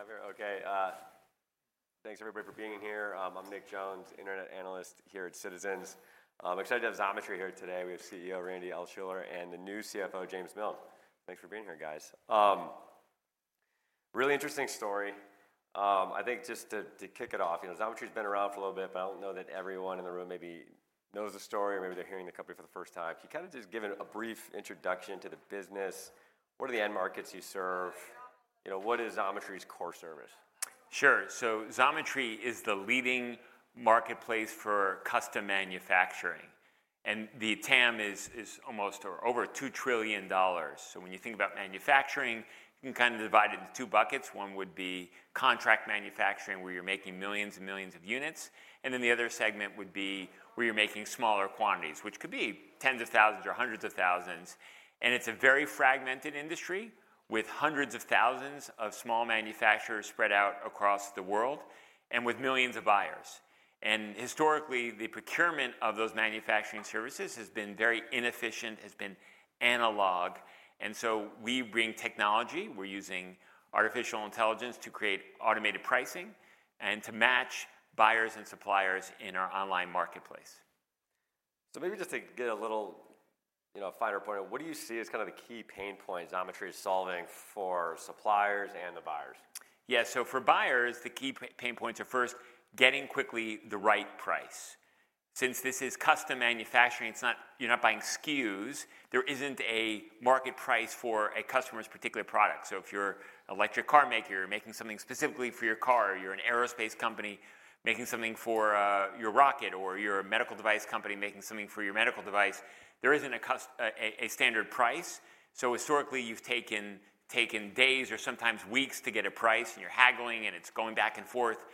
Are we good? We're live here? Okay. Thanks everybody for being here. I'm Nick Jones, Internet Analyst here at Citizens. Excited to have Xometry here today. We have CEO Randy Altschuler and the new CFO, James Miln. Thanks for being here, guys. Really interesting story. I think just to kick it off, you know, Xometry's been around for a little bit, but I don't know that everyone in the room maybe knows the story or maybe they're hearing the company for the first time. Can you kinda just give a brief introduction to the business? What are the end markets you serve? You know, what is Xometry's core service? Sure. So Xometry is the leading marketplace for custom manufacturing. And the TAM is almost or over $2 trillion. So when you think about manufacturing, you can kinda divide it into two buckets. One would be contract manufacturing, where you're making millions and millions of units. And then the other segment would be where you're making smaller quantities, which could be tens of thousands or hundreds of thousands. And it's a very fragmented industry with hundreds of thousands of small manufacturers spread out across the world and with millions of buyers. And historically, the procurement of those manufacturing services has been very inefficient, has been analog. And so we bring technology. We're using artificial intelligence to create automated pricing and to match buyers, and suppliers in our online marketplace. Maybe just to get a little, you know, finer point on it, what do you see as kinda the key pain points Xometry is solving for suppliers and the buyers? Yeah. So for buyers, the key pain points are first, getting quickly the right price. Since this is custom manufacturing, it's not. You're not buying SKUs. There isn't a market price for a customer's particular product. So if you're an electric car maker, you're making something specifically for your car, you're an aerospace company making something for your rocket, or you're a medical device company making something for your medical device, there isn't a custom standard price. So historically, you've taken days or sometimes weeks to get a price, and you're haggling, and it's going back and forth.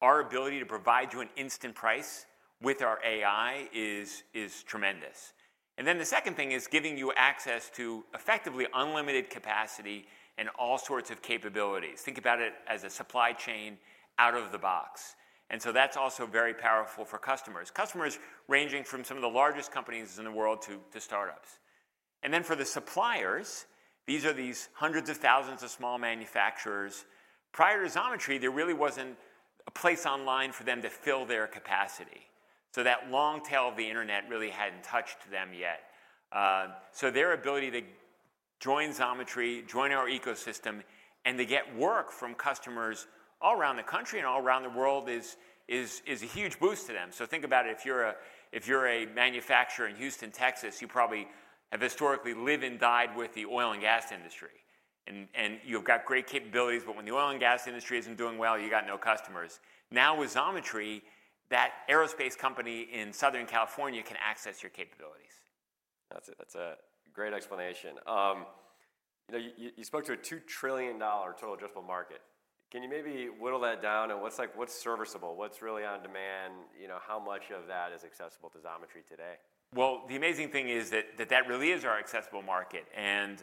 Our ability to provide you an instant price with our AI is tremendous. And then the second thing is giving you access to effectively unlimited capacity and all sorts of capabilities. Think about it as a supply chain out of the box. That's also very powerful for customers, customers ranging from some of the largest companies in the world to, to startups. Then for the suppliers, these are these hundreds of thousands of small manufacturers. Prior to Xometry, there really wasn't a place online for them to fill their capacity. So that long tail of the Internet really hadn't touched them yet. So their ability to join Xometry, join our ecosystem, and to get work from customers all around the country and all around the world is, is, is a huge boost to them. So think about it. If you're a if you're a manufacturer in Houston, Texas, you probably have historically lived and died with the oil and gas industry. And, and you've got great capabilities, but when the oil and gas industry isn't doing well, you got no customers. Now with Xometry, that aerospace company in Southern California can access your capabilities. That's a great explanation. You know, you spoke to a $2 trillion total addressable market. Can you maybe whittle that down? And what's, like, serviceable? What's really on demand? You know, how much of that is accessible to Xometry today? Well, the amazing thing is that that really is our accessible market. And,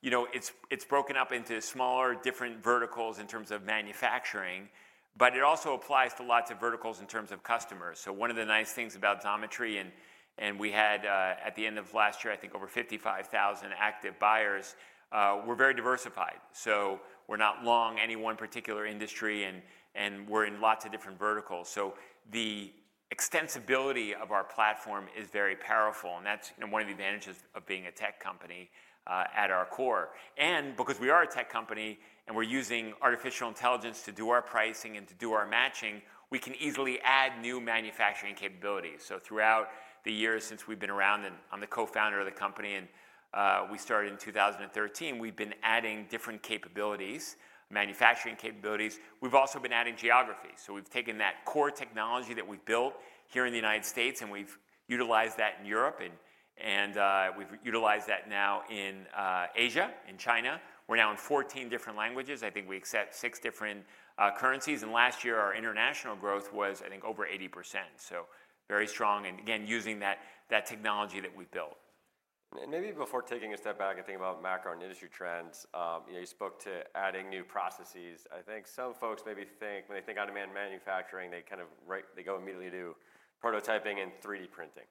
you know, it's broken up into smaller, different verticals in terms of manufacturing, but it also applies to lots of verticals in terms of customers. So one of the nice things about Xometry and we had, at the end of last year, I think, over 55,000 active buyers, we're very diversified. So we're not long any one particular industry, and we're in lots of different verticals. So the extensibility of our platform is very powerful. And that's, you know, one of the advantages of being a tech company, at our core. And because we are a tech company and we're using artificial intelligence to do our pricing and to do our matching, we can easily add new manufacturing capabilities. So throughout the years since we've been around and I'm the co-founder of the company, and we started in 2013, we've been adding different capabilities, manufacturing capabilities. We've also been adding geography. So we've taken that core technology that we've built here in the United States, and we've utilized that in Europe. And we've utilized that now in Asia, in China. We're now in 14 different languages. I think we accept six different currencies. And last year, our international growth was, I think, over 80%. So very strong and, again, using that technology that we've built. And maybe before taking a step back and thinking about macro and industry trends, you know, you spoke to adding new processes. I think some folks maybe think when they think on-demand manufacturing, they kind of right they go immediately to prototyping and 3D Printing.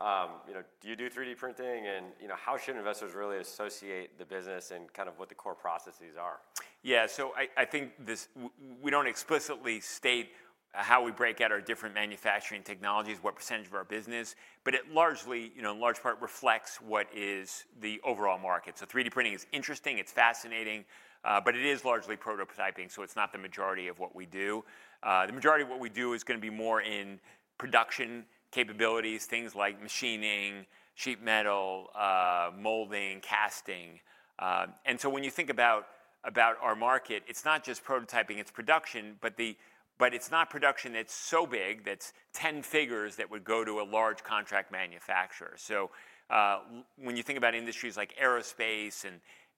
You know, do you do 3D Printing? And, you know, how should investors really associate the business and kind of what the core processes are? Yeah. So I, I think this we don't explicitly state how we break out our different manufacturing technologies, what percentage of our business, but it largely, you know, in large part reflects what is the overall market. So 3D printing is interesting. It's fascinating. But it is largely prototyping, so it's not the majority of what we do. The majority of what we do is gonna be more in production capabilities, things like machining, sheet metal, molding, casting. And so when you think about our market, it's not just prototyping. It's production. But it's not production that's so big that's 10 figures that would go to a large contract manufacturer. So, when you think about industries like aerospace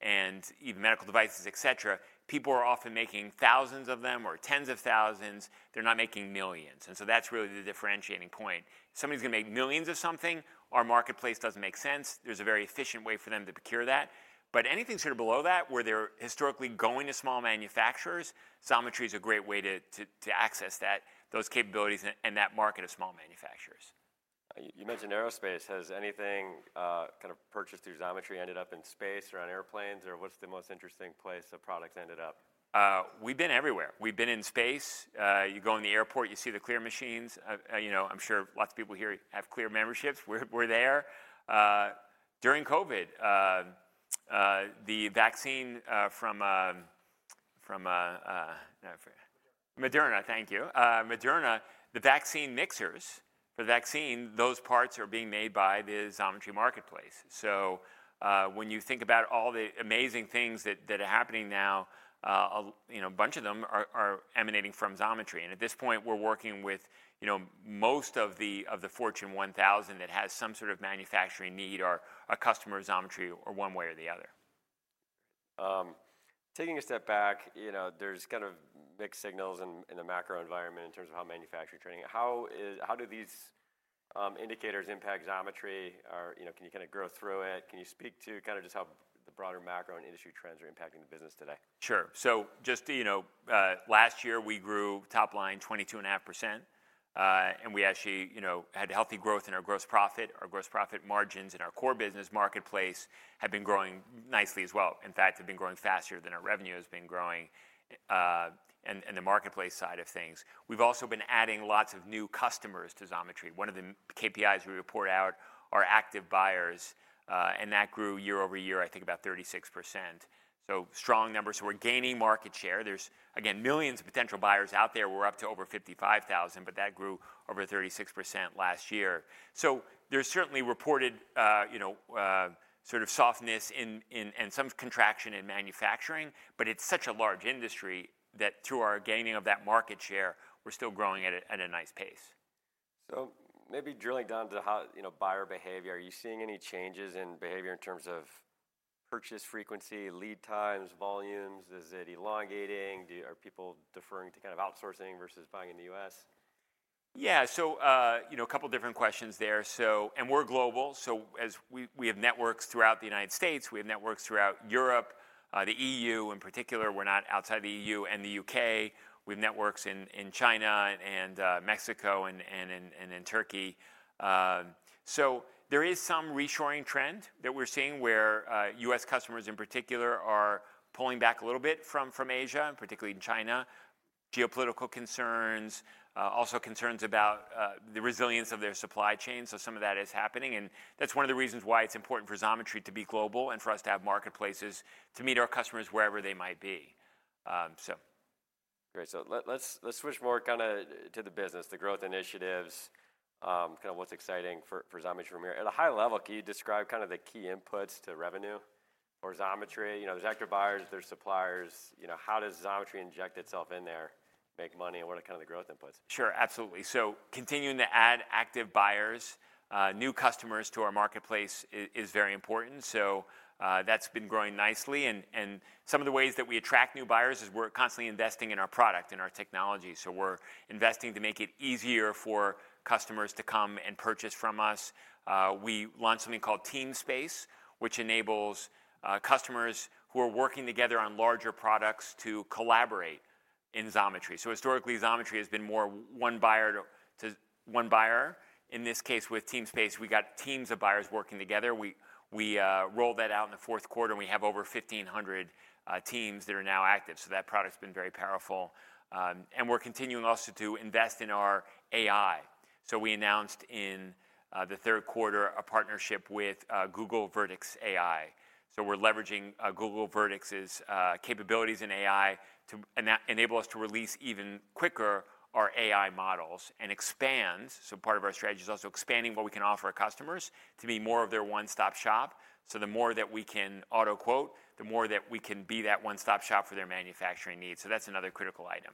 and even medical devices, etc., people are often making thousands of them or tens of thousands. They're not making millions. And so that's really the differentiating point. If somebody's gonna make millions of something, our marketplace doesn't make sense. There's a very efficient way for them to procure that. But anything sort of below that where they're historically going to small manufacturers, Xometry's a great way to access that, those capabilities and that market of small manufacturers. You mentioned aerospace. Has anything, kind of purchased through Xometry ended up in space or on airplanes? Or what's the most interesting place that products ended up? We've been everywhere. We've been in space. You go in the airport, you see the CLEAR machines. You know, I'm sure lots of people here have CLEAR memberships. We're there. During COVID, the vaccine from Moderna, thank you. Moderna, the vaccine mixers for the vaccine, those parts are being made by the Xometry marketplace. So, when you think about all the amazing things that are happening now, you know, a bunch of them are emanating from Xometry. And at this point, we're working with, you know, most of the Fortune 1,000 that has some sort of manufacturing need are a customer of Xometry or one way or the other. Taking a step back, you know, there's kind of mixed signals in the macro environment in terms of how manufacturing's trending. How do these indicators impact Xometry? Or, you know, can you kinda grow through it? Can you speak to kinda just how the broader macro and industry trends are impacting the business today? Sure. So just, you know, last year, we grew top-line 22.5%. And we actually, you know, had healthy growth in our gross profit. Our gross profit margins in our core business marketplace have been growing nicely as well. In fact, they've been growing faster than our revenue has been growing, and, and the marketplace side of things. We've also been adding lots of new customers to Xometry. One of the KPIs we report out are active buyers. And that grew year-over-year, I think, about 36%. So strong numbers. So we're gaining market share. There's, again, millions of potential buyers out there. We're up to over 55,000, but that grew over 36% last year. So there's certainly reported, you know, sort of softness in, in and some contraction in manufacturing. It's such a large industry that through our gaining of that market share, we're still growing at a nice pace. So maybe drilling down to how, you know, buyer behavior, are you seeing any changes in behavior in terms of purchase frequency, lead times, volumes? Is it elongating? Are people deferring to kind of outsourcing versus buying in the U.S.? Yeah. So, you know, a couple different questions there. So and we're global. So as we have networks throughout the United States. We have networks throughout Europe. The E.U. in particular. We're not outside the E.U. and the U.K. We have networks in China and Mexico and in Turkey. So there is some reshoring trend that we're seeing where U.S. customers in particular are pulling back a little bit from Asia, particularly in China, geopolitical concerns, also concerns about the resilience of their supply chain. So some of that is happening. And that's one of the reasons why it's important for Xometry to be global and for us to have marketplaces to meet our customers wherever they might be. So. Great. So let's switch more kinda to the business, the growth initiatives, kinda what's exciting for Xometry from here. At a high level, can you describe kinda the key inputs to revenue for Xometry? You know, there's active buyers. There's suppliers. You know, how does Xometry inject itself in there, make money, and what are kinda the growth inputs? Sure. Absolutely. So continuing to add active buyers, new customers to our marketplace is very important. So, that's been growing nicely. And some of the ways that we attract new buyers is we're constantly investing in our product, in our technology. So we're investing to make it easier for customers to come and purchase from us. We launched something called Teamspace, which enables customers who are working together on larger products to collaborate in Xometry. So historically, Xometry has been more one buyer to one buyer. In this case with Teamspace, we got teams of buyers working together. We rolled that out in the fourth quarter, and we have over 1,500 teams that are now active. So that product's been very powerful. And we're continuing also to invest in our AI. So we announced in the third quarter a partnership with Google Vertex AI. So we're leveraging Google's Vertex AI's capabilities in AI to enable us to release even quicker our AI models and expand so part of our strategy is also expanding what we can offer our customers to be more of their one-stop shop. So the more that we can auto-quote, the more that we can be that one-stop shop for their manufacturing needs. So that's another critical item.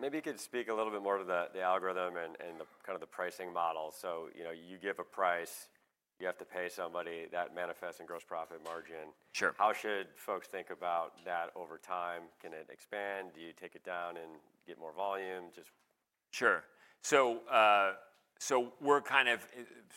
Maybe you could speak a little bit more to the, the algorithm and, and the kinda the pricing model. You know, you give a price. You have to pay somebody. That manifests in gross profit margin. Sure. How should folks think about that over time? Can it expand? Do you take it down and get more volume? Just. Sure. So, we're kind of,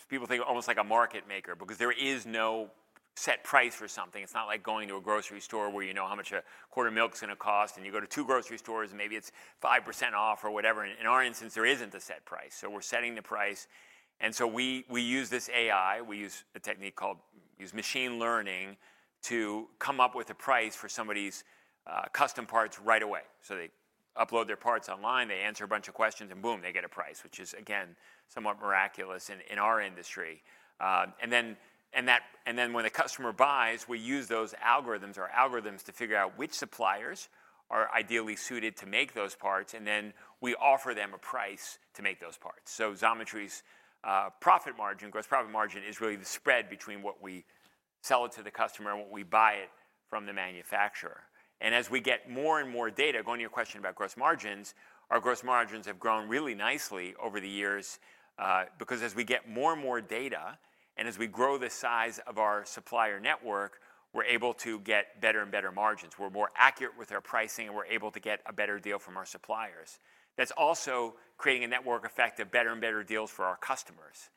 people think, almost like a market maker because there is no set price for something. It's not like going to a grocery store where you know how much a quart of milk's gonna cost. And you go to two grocery stores, and maybe it's 5% off or whatever. And in our instance, there isn't a set price. So we're setting the price. And so we use this AI. We use a technique called machine learning to come up with a price for somebody's custom parts right away. So they upload their parts online. They answer a bunch of questions, and boom, they get a price, which is, again, somewhat miraculous in our industry. And then when the customer buys, we use those algorithms, our algorithms, to figure out which suppliers are ideally suited to make those parts. And then we offer them a price to make those parts. So Xometry's profit margin, gross profit margin, is really the spread between what we sell it to the customer and what we buy it from the manufacturer. And as we get more and more data going to your question about gross margins, our gross margins have grown really nicely over the years, because as we get more and more data and as we grow the size of our supplier network, we're able to get better, and better margins. We're more accurate with our pricing, and we're able to get a better deal from our suppliers. That's also creating a network effect of better and better deals for our customers.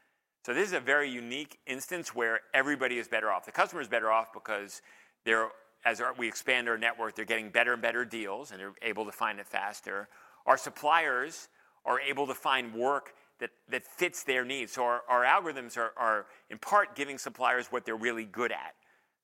So this is a very unique instance where everybody is better off. The customer's better off because they're, as we expand our network, getting better and better deals, and they're able to find it faster. Our suppliers are able to find work that fits their needs. So our algorithms are in part giving suppliers what they're really good at.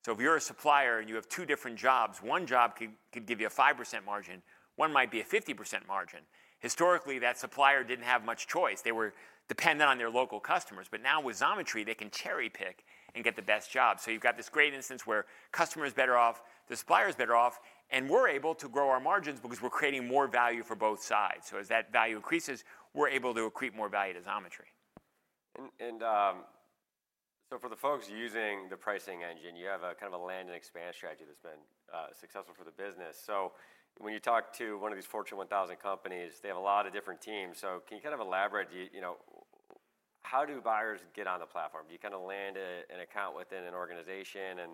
So if you're a supplier and you have two different jobs, one job can give you a 5% margin. One might be a 50% margin. Historically, that supplier didn't have much choice. They were dependent on their local customers. But now with Xometry, they can cherry-pick and get the best job. So you've got this great instance where customer's better off, the supplier's better off, and we're able to grow our margins because we're creating more value for both sides. So as that value increases, we're able to accrete more value to Xometry. So for the folks using the pricing engine, you have a kind of a land and expand strategy that's been successful for the business. So when you talk to one of these Fortune 1,000 companies, they have a lot of different teams. So can you kind of elaborate? Do you, you know, how do buyers get on the platform? Do you kinda land a, an account within an organization? And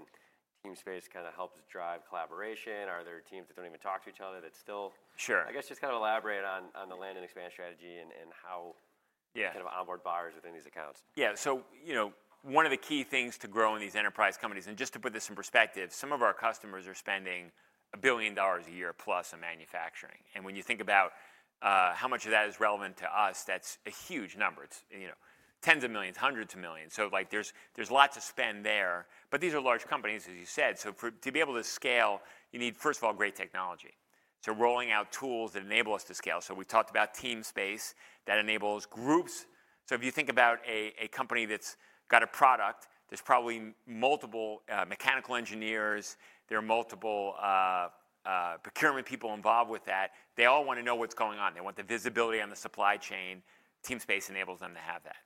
TeamSpace kinda helps drive collaboration. Are there teams that don't even talk to each other that still. Sure. I guess just kinda elaborate on the land and expand strategy and how. Yeah. You kinda onboard buyers within these accounts. Yeah. So, you know, one of the key things to grow in these enterprise companies and just to put this in perspective, some of our customers are spending $1 billion a year plus on manufacturing. And when you think about how much of that is relevant to us, that's a huge number. It's, you know, $10s of millions, $100s of millions. So, like, there's lots of spend there. But these are large companies, as you said. So for to be able to scale, you need, first of all, great technology. So rolling out tools that enable us to scale. So we talked about TeamSpace that enables groups. So if you think about a company that's got a product, there's probably multiple mechanical engineers. There are multiple procurement people involved with that. They all wanna know what's going on. They want the visibility on the supply chain. TeamSpace enables them to have that.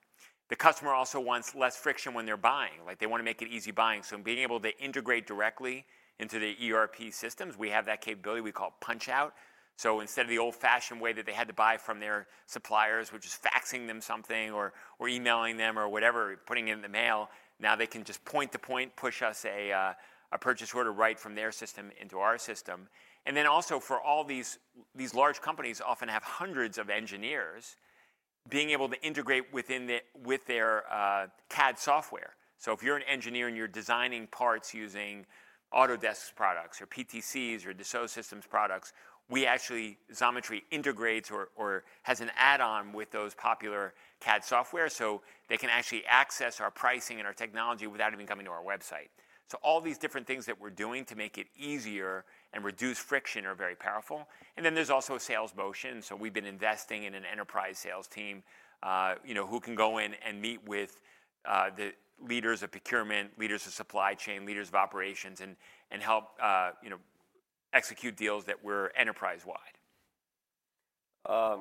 The customer also wants less friction when they're buying. Like, they wanna make it easy buying. So being able to integrate directly into the ERP systems, we have that capability. We call it Punchout. So instead of the old-fashioned way that they had to buy from their suppliers, which is faxing them something or emailing them or whatever, putting it in the mail, now they can just point to point, push us a purchase order right from their system into our system. And then also for all these large companies often have hundreds of engineers being able to integrate within their CAD software. So if you're an engineer and you're designing parts using Autodesk's products or PTC's or Dassault Systèmes products, we actually Xometry integrates or has an add-on with those popular CAD softwares so they can actually access our pricing and our technology without even coming to our website. So all these different things that we're doing to make it easier, and reduce friction are very powerful. And then there's also sales motion. So we've been investing in an enterprise sales team, you know, who can go in and meet with the leaders of procurement, leaders of supply chain, leaders of operations, and help, you know, execute deals that were enterprise-wide. I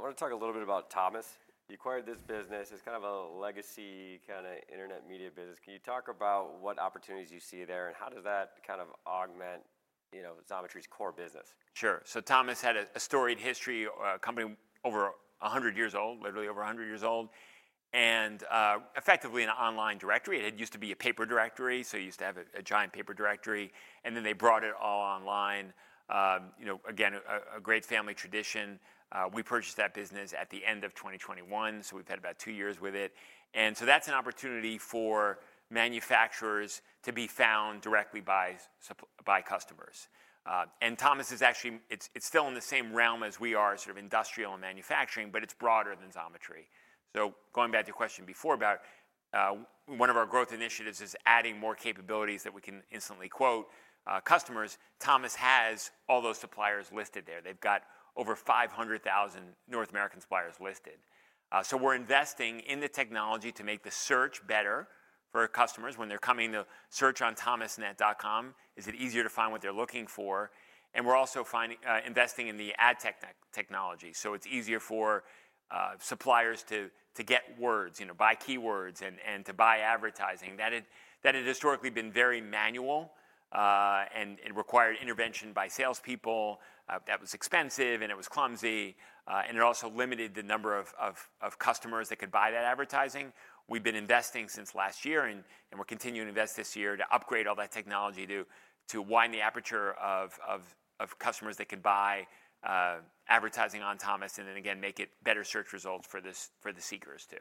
wanna talk a little bit about Thomas. You acquired this business. It's kind of a legacy kinda internet media business. Can you talk about what opportunities you see there, and how does that kind of augment, you know, Xometry's core business? Sure. So Thomas had a storied history, a company over 100 years old, literally over 100 years old, and, effectively an online directory. It had used to be a paper directory. So it used to have a giant paper directory. And then they brought it all online. You know, again, a great family tradition. We purchased that business at the end of 2021. So we've had about two years with it. And so that's an opportunity for manufacturers to be found directly by customers. And Thomas is actually. It's still in the same realm as we are, sort of industrial, and manufacturing, but it's broader than Xometry. So going back to your question before about, one of our growth initiatives is adding more capabilities that we can instantly quote customers. Thomas has all those suppliers listed there. They've got over 500,000 North American suppliers listed. So we're investing in the technology to make the search better for customers. When they're coming to search on Thomasnet.com, is it easier to find what they're looking for? And we're also investing in the ad tech and technology. So it's easier for suppliers to get ads, you know, buy keywords and to buy advertising. That had historically been very manual, and required intervention by salespeople. That was expensive, and it was clumsy. And it also limited the number of customers that could buy that advertising. We've been investing since last year, and we're continuing to invest this year to upgrade all that technology to widen the aperture of customers that could buy advertising on Thomas and then, again, make it better search results for the seekers too.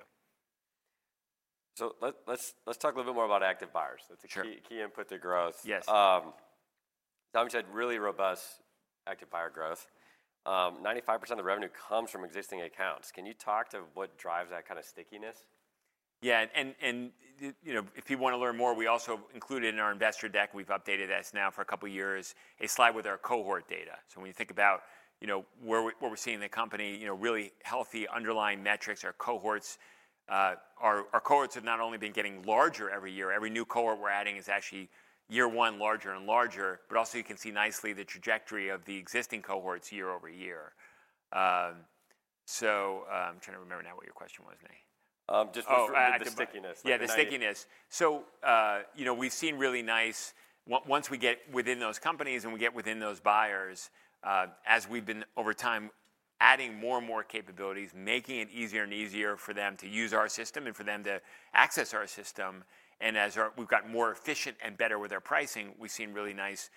So let's talk a little bit more about active buyers. That's a key, key input to growth. Yes. Thomas had really robust active buyer growth. 95% of the revenue comes from existing accounts. Can you talk to what drives that kinda stickiness? Yeah. And you know, if you wanna learn more, we also included in our investor deck—we've updated this now for a couple years—a slide with our cohort data. So when you think about, you know, where we're seeing the company, you know, really healthy underlying metrics are cohorts. Our cohorts have not only been getting larger every year. Every new cohort we're adding is actually year one larger and larger. But also you can see nicely the trajectory of the existing cohorts year over year. So, I'm trying to remember now what your question was, Nick. just for the stickiness. Oh, active buyers. Yeah. The stickiness. So, you know, we've seen really nice once we get within those companies and we get within those buyers, as we've been over time adding more and more capabilities, making it easier and easier for them to use our system and for them to access our system. And as we've got more efficient and better with our pricing, we've seen really nice,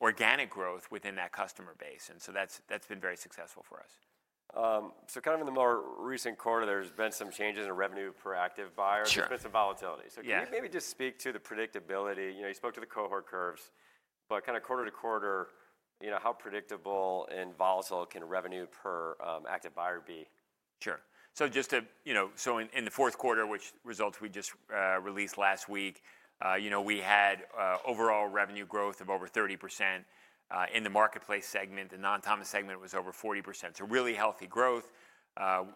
organic growth within that customer base. And so that's, that's been very successful for us. Kind of in the more recent quarter, there's been some changes in revenue per active buyer. Sure. There's been some volatility. So can you maybe just speak to the predictability? You know, you spoke to the cohort curves. But kinda quarter-to-quarter, you know, how predictable and volatile can revenue per active buyer be? Sure. So just to, you know, so in the fourth quarter, which results we just released last week, you know, we had overall revenue growth of over 30% in the marketplace segment. The non-Thomas segment was over 40%. So really healthy growth.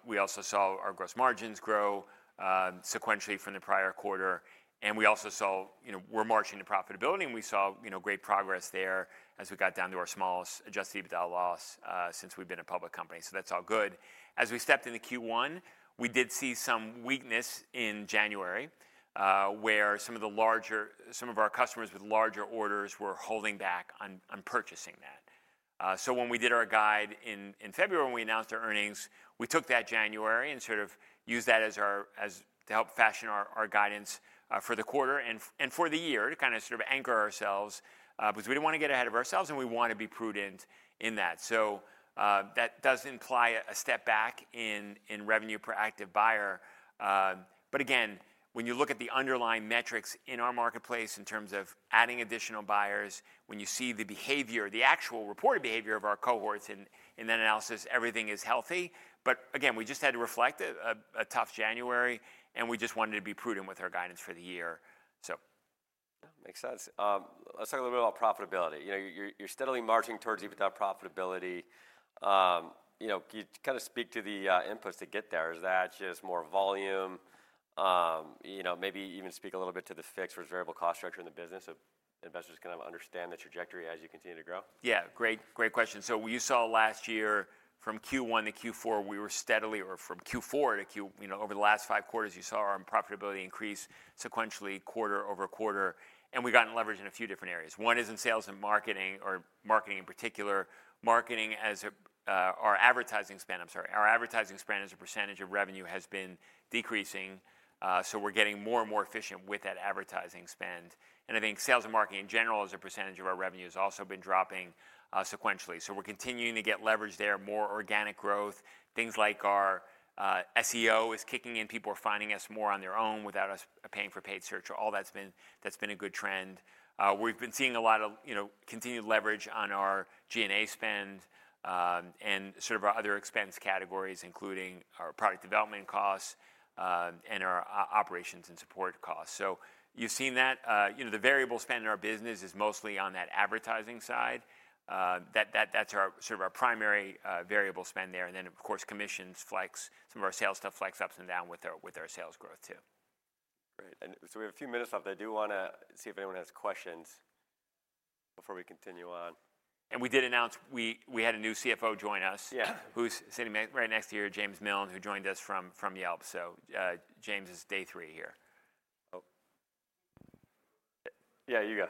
We also saw our gross margins grow sequentially from the prior quarter. And we also saw, you know, we're marching to profitability, and we saw, you know, great progress there as we got down to our smallest adjusted EBITDA loss since we've been a public company. So that's all good. As we stepped into Q1, we did see some weakness in January, where some of our larger customers with larger orders were holding back on purchasing that. So when we did our guidance in February when we announced our earnings, we took that January and sort of used that as our as to help fashion our guidance for the quarter and for the year to kinda sort of anchor ourselves, because we didn't wanna get ahead of ourselves, and we wanna be prudent in that. So, that does imply a step back in revenue per active buyer. But again, when you look at the underlying metrics in our marketplace in terms of adding additional buyers, when you see the behavior, the actual reported behavior of our cohorts in that analysis, everything is healthy. But again, we just had to reflect a tough January, and we just wanted to be prudent with our guidance for the year. So. Yeah. Makes sense. Let's talk a little bit about profitability. You know, you're steadily marching towards EBITDA profitability. You know, can you kinda speak to the inputs to get there? Is that just more volume? You know, maybe even speak a little bit to the fixed versus variable cost structure in the business so investors can kind of understand the trajectory as you continue to grow? Yeah. Great, great question. So what you saw last year from Q1 to Q4, we were steadily or from Q4 to Q1, you know, over the last five quarters, you saw our profitability increase sequentially quarter over quarter. And we've gotten leverage in a few different areas. One is in sales and marketing or marketing in particular. Marketing as a, our advertising spend. I'm sorry. Our advertising spend as a percentage of revenue has been decreasing. So we're getting more and more efficient with that advertising spend. And I think sales and marketing in general as a percentage of our revenue has also been dropping, sequentially. So we're continuing to get leverage there, more organic growth. Things like our SEO is kicking in. People are finding us more on their own without us paying for paid search. All that's been a good trend. We've been seeing a lot of, you know, continued leverage on our G&A spend, and sort of our other expense categories including our product development costs, and our operations and support costs. So you've seen that. You know, the variable spend in our business is mostly on that advertising side. That's our sort of our primary variable spend there. And then, of course, commissions flex some of our sales stuff flex ups and downs with our sales growth too. Great. And so we have a few minutes left. I do wanna see if anyone has questions before we continue on. We did announce we had a new CFO join us. Yeah. Who's sitting right next to here, James Miln, who joined us from Yelp. So, James is day three here. Oh. Yeah. You go.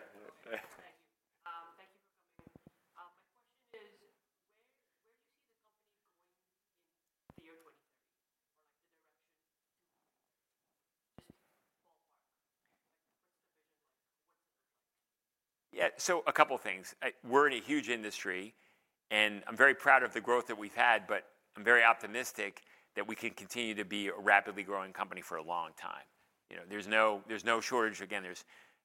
Thank you. Thank you for coming. My question is, where, where do you see the company going in the year 2030 or, like, the direction to 2030? Just ballpark. Like, what's the vision like? What's it look like? Yeah. So a couple things. We're in a huge industry, and I'm very proud of the growth that we've had, but I'm very optimistic that we can continue to be a rapidly growing company for a long time. You know, there's no shortage. Again, there's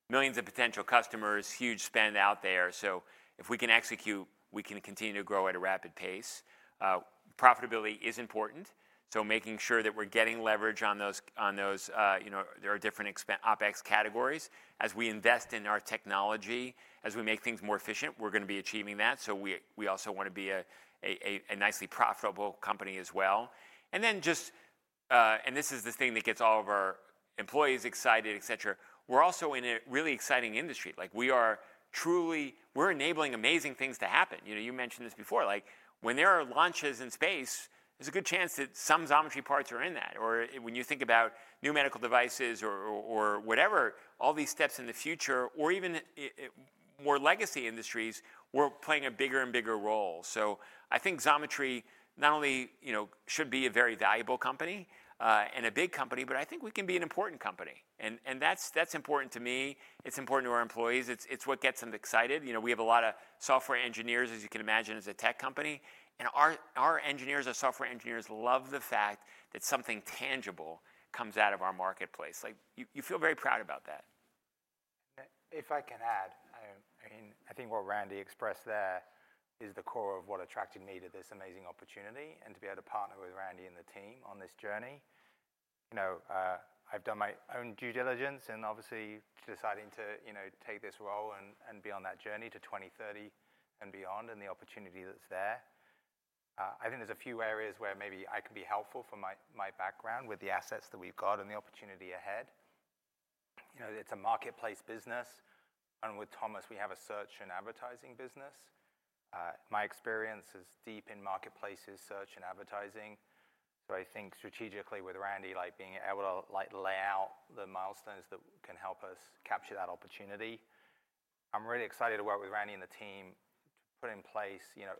millions of potential customers, huge spend out there. So if we can execute, we can continue to grow at a rapid pace. Profitability is important. So making sure that we're getting leverage on those, you know, there are different OpEx categories. As we invest in our technology, as we make things more efficient, we're gonna be achieving that. So we also wanna be a nicely profitable company as well. And then just, this is the thing that gets all of our employees excited, etc. We're also in a really exciting industry. Like, we are truly, we're enabling amazing things to happen. You know, you mentioned this before. Like, when there are launches in space, there's a good chance that some Xometry parts are in that. Or when you think about new medical devices or, or, or whatever, all these steps in the future or even it more legacy industries, we're playing a bigger and bigger role. So I think Xometry not only, you know, should be a very valuable company, and a big company, but I think we can be an important company. And, and that's, that's important to me. It's important to our employees. It's, it's what gets them excited. You know, we have a lot of software engineers, as you can imagine, as a tech company. And our, our engineers, our software engineers love the fact that something tangible comes out of our marketplace. Like, you feel very proud about that. If I can add, I mean, I think what Randy expressed there is the core of what attracted me to this amazing opportunity and to be able to partner with Randy and the team on this journey. You know, I've done my own due diligence and obviously deciding to, you know, take this role and be on that journey to 2030 and beyond and the opportunity that's there. I think there's a few areas where maybe I can be helpful for my background with the assets that we've got and the opportunity ahead. You know, it's a marketplace business. And with Thomas, we have a search and advertising business. My experience is deep in marketplaces, search, and advertising. So I think strategically with Randy, like, being able to, like, lay out the milestones that can help us capture that opportunity. I'm really excited to work with Randy and the team to put in place, you know,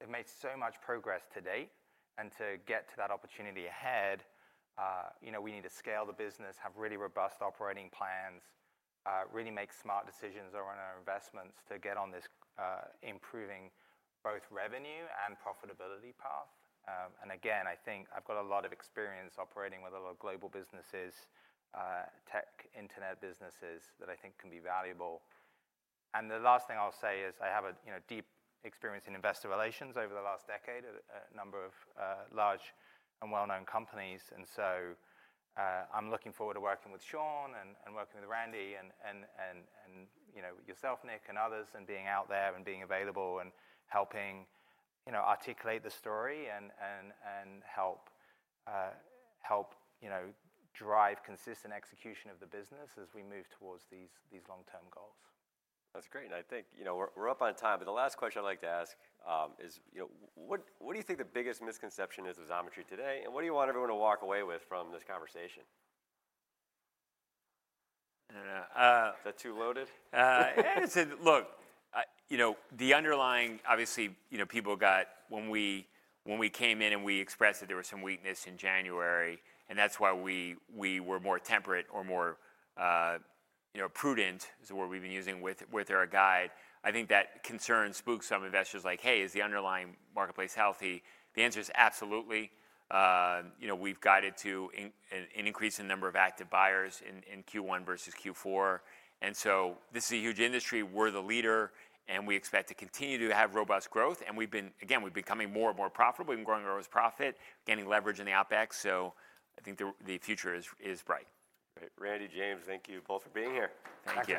they've made so much progress to date. And to get to that opportunity ahead, you know, we need to scale the business, have really robust operating plans, really make smart decisions around our investments to get on this, improving both revenue and profitability path. And again, I think I've got a lot of experience operating with a lot of global businesses, tech internet businesses that I think can be valuable. And the last thing I'll say is I have a, you know, deep experience in investor relations over the last decade at a number of large and well-known companies. And so, I'm looking forward to working with Shawn and working with Randy and, you know, yourself, Nick, and others and being out there and being available and helping, you know, articulate the story and help, you know, drive consistent execution of the business as we move towards these long-term goals. That's great. And I think, you know, we're up on time. But the last question I'd like to ask is, you know, what do you think the biggest misconception is with Xometry today? And what do you want everyone to walk away with from this conversation? I don't know. Is that too loaded? It's a look. You know, the underlying obviously, you know, people got when we came in and we expressed that there was some weakness in January, and that's why we were more temperate or more, you know, prudent is the word we've been using with our guide. I think that concern spooked some investors like, "Hey, is the underlying marketplace healthy?" The answer is absolutely. You know, we've guided to an increase in number of active buyers in Q1 versus Q4. And so this is a huge industry. We're the leader, and we expect to continue to have robust growth. And we've been again, we've becoming more and more profitable. We've been growing our gross profit, getting leverage in the OpEx. So I think the future is bright. Great. Randy, James, thank you both for being here. Thank you.